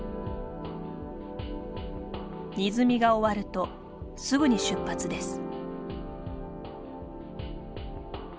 荷積みが終わるとすぐに出発です。